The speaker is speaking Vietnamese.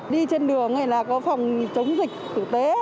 đi trên đường này là có phòng chống dịch tử tế